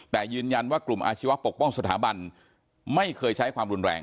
แต่ยืนยันว่ากลุ่มอาชีวะปกป้องสถาบันไม่เคยใช้ความรุนแรง